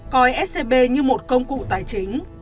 coi scb như một công cụ tài chính